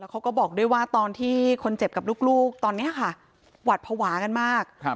เขาก็บอกด้วยว่าตอนที่คนเจ็บกับลูกตอนนี้ค่ะหวัดภาวะกันมาก